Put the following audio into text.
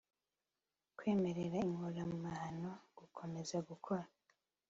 kwemerera inkoramahano gukomeza gukora